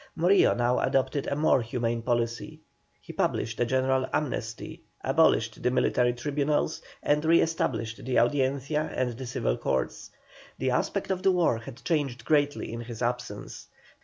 Morillo now adopted a more humane policy. He published a general amnesty, abolished the military tribunals, and re established the Audiencia and the Civil Courts. The aspect of the war had changed greatly in his absence.